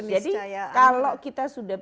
jadi kalau kita sudah